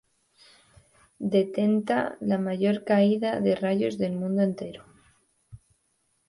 Detenta la mayor caída de rayos del mundo entero.